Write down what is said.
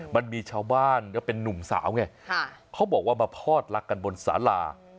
มันมีชาวบ้านก็เป็นนุ่มสาวไงเขาบอกว่ามาพอดรักกันบนสารา